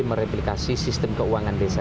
mereplikasi sistem keuangan desa